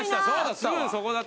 すぐそこだった。